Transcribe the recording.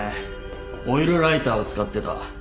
オイルライターを使ってた。